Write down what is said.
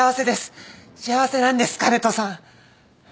幸せなんです香音人さん。